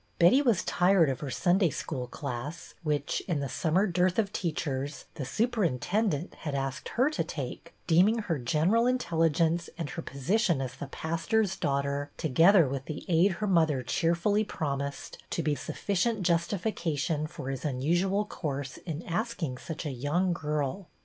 Betty was tired of her Sunday School class, which, in the summer dearth of teachers, the superintendent had asked her to take, deem ing her general intelligence and her position as the pastor's daughter, together with the aid her mother cheerfully promised, to be sufficient justification for his unusual course in asking such a young girl.